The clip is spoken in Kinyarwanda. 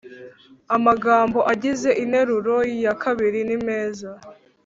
amagambo agize interuro yakabiri nimeza